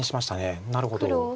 なるほど。